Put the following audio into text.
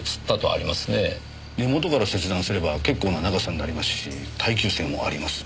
根元から切断すれば結構な長さになりますし耐久性もあります。